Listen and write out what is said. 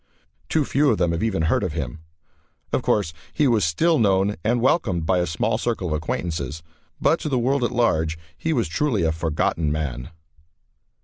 Too few of them have even heard of him. Of course, he was still known and welcomed by a small circle of acquaintances, but to the world at large he was truly a "forgotten man."